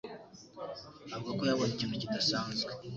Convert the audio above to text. avuga ko yabonye ikintu kidasanzwe.